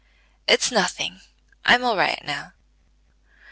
"It's nothing: I'm all right now.